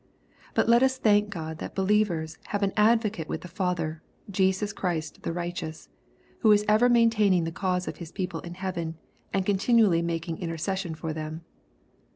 But let us thank God that believers "have an Advocate with the Father, Jesus Christ the righteous,'^ who is ever maintaining the cause of His people in heaven, and continually making intercession for them.